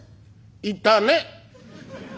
「いたね」。